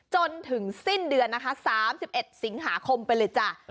จนถึงสิ้นเดือนนะคะ๓๑สิงหาคมไปเลยจ้ะ